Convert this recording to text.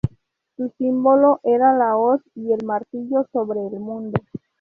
Su símbolo era la hoz y el martillo sobre el mundo.